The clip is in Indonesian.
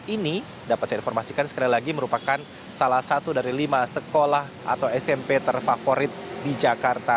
ini dapat saya informasikan sekali lagi merupakan salah satu dari lima sekolah atau smp terfavorit di jakarta